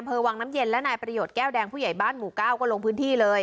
วังน้ำเย็นและนายประโยชน์แก้วแดงผู้ใหญ่บ้านหมู่เก้าก็ลงพื้นที่เลย